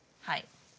はい。